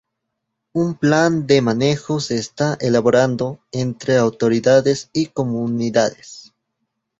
Un Plan de manejo se está elaborando entre autoridades y comunidades.